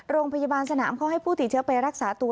โรงพยาบาลสนามเขาให้ผู้ติดเชื้อไปรักษาตัว